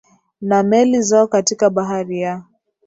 na meli zao katika bahari ya